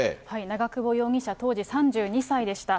長久保容疑者当時３２歳でした。